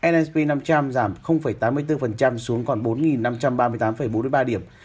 np năm trăm linh giảm tám mươi bốn xuống còn bốn năm trăm ba mươi tám bốn mươi ba điểm